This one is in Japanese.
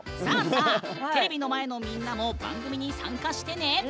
さあさあテレビの前のみんなも番組に参加してね！